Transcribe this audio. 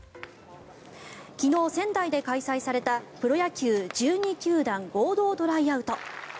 昨日、仙台で開催されたプロ野球１２球団合同トライアウト。